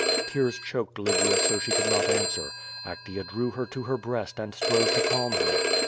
Tears choked Lygia so she could not answer. Actea drew her to her breast and strove to calm her.